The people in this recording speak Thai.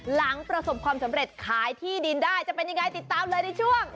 หลังประสบความสำเร็จขายที่ดินได้จะเป็นยังไงติดตามเลยในช่วง